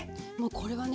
これはね